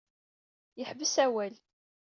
Yeḥbes awal.